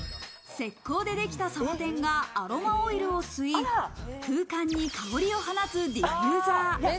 石膏でできたサボテンが、アロマオイルを吸い、空間に香りを放つディフューザー。